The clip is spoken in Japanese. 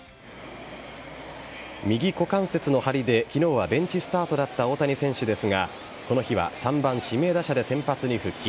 右股関節の張りで昨日はベンチスタートだった大谷選手ですがこの日は３番・指名打者で先発に復帰。